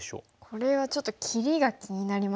これはちょっと切りが気になりますね。